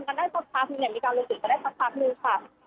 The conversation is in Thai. มีการยิติการก็ได้สักครู่ค่ะ